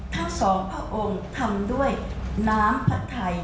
ทั้งสองพระองค์ทำด้วยน้ำผัดไทย